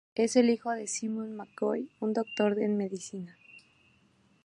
Frederick McCoy es el hijo de Simon McCoy, un doctor en Medicina.